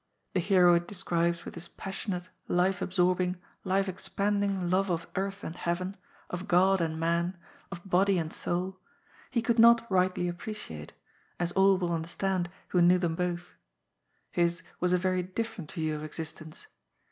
The hero it describes with his passionate, life absorbing, life expanding love of earth and heaven, of God and man, of body and soul, he could not rightly appreciate, as all will understand who knew them both. His was a very different view of existence.